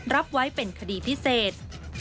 รับไว้เป็นคดีพิเศษ